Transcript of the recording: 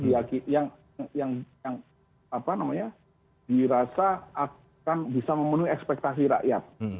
yang dirasa akan bisa memenuhi ekspektasi rakyat